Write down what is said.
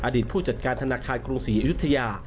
ผู้จัดการธนาคารกรุงศรีอยุธยา